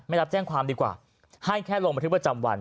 รับแจ้งความดีกว่าให้แค่ลงบันทึกประจำวัน